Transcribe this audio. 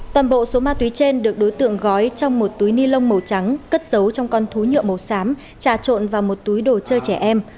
toàn bộ số ma túy trên được đối tượng gói trong một túi ni lông màu trắng cất giấu trong con thú nhựa màu xám trà trộn vào một túi đồ chơi trẻ em